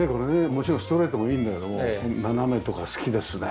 もちろんストレートもいいんだけども斜めとか好きですね。